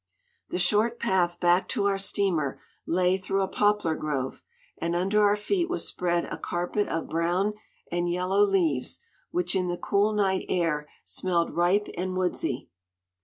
The short path back to our steamer lay through a poplar grove, and under our feet was spread a carpet of brown and yellow leaves, which, in the cool night air, smelled ripe and woodsy.